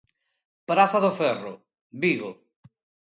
Praza do Ferro, Vigo.